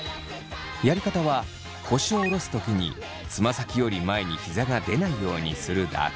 やり方は腰を下ろす時につま先より前にひざが出ないようにするだけ。